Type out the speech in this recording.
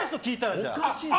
じゃあ。